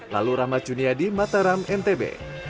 lalu rahmat junia di mataram ntb